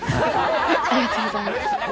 ありがとうございます。